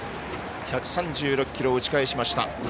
１３６キロを打ち返しました。